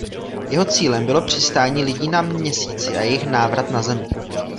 Jeho cílem bylo přistání lidí na Měsíci a jejich návrat na Zemi.